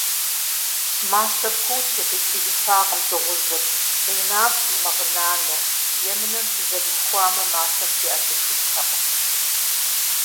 Мащэр куути, къикӏыжыфакъым дыгъужьыр - къинащи, мэгъынанэ: «Емынэм сызэримыхуэмэ, мащэм сеӏэбыхынтэкъым».